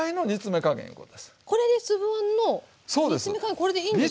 これでいいんです？